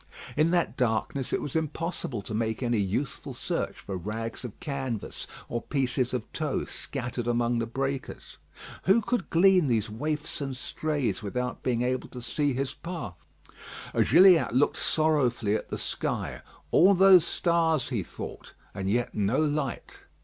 In that darkness it was impossible to make any useful search for rags of canvas or pieces of tow scattered among the breakers. Who could glean these waifs and strays without being able to see his path? Gilliatt looked sorrowfully at the sky; all those stars, he thought, and yet no light!